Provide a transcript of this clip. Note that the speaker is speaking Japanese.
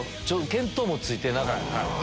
見当もついてなかった。